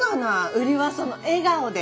売りはその笑顔で。